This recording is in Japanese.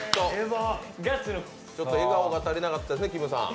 笑顔が足りなかったですね、きむさん。